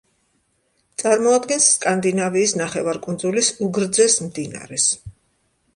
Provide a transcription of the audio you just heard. წარმოადგენს სკანდინავიის ნახევარკუნძულის უგრძეს მდინარეს.